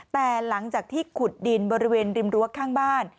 แต่หลังจากที่ขุดดินบริเวณริมรั้วข้างบ้าน